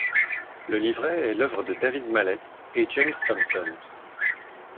Le livret est l'œuvre de David Mallet et James Thomson.